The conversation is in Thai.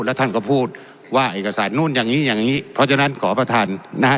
แล้วท่านก็พูดว่าเอกสารนู่นอย่างนี้อย่างนี้เพราะฉะนั้นขอประธานนะฮะ